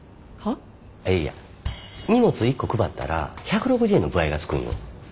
あっいや荷物１個配ったら１６０円の歩合がつくんよ。